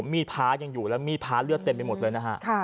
ด้ายังอยู่แล้วมีดพระเลือดเต็มไปหมดเลยนะฮะ